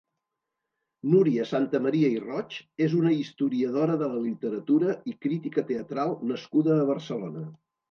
Núria Santamaria i Roig és una historiadora de la literatura i crítica teatral nascuda a Barcelona.